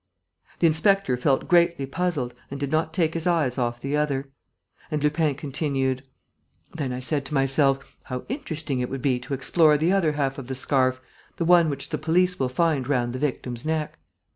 The inspector felt greatly puzzled and did not take his eyes off the other. And Lupin continued: "Then I said to myself, 'How interesting it would be to explore the other half of the scarf, the one which the police will find round the victim's neck!'